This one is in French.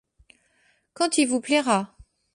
Quand il vous plaira !